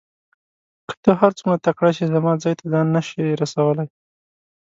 که ته هر څوره تکړه شې زما ځای ته ځان نه شې رسولای.